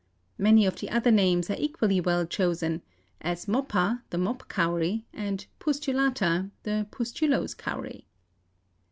Many of the other names are equally well chosen, as moppa the mop cowry, and pustulata the pustulose cowry.